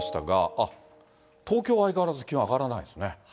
あっ、東京は相変わらず気温上がらないですね。